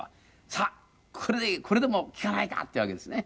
「さあこれでも聞かないか」っていうわけですね。